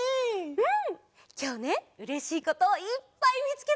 うん。